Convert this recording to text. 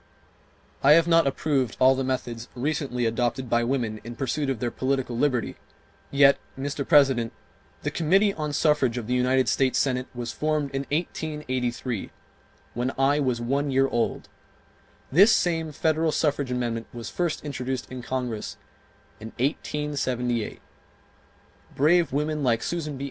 I have not approved all the methods recently adopted by women in pursuit of their political liberty; yet, Mr. President, the Committee on Suffrage of the United States Senate was formed in 1883, when I was one year old; this same federal suffrage amendment was first introduced in Congress in 1878, brave women like Susan B.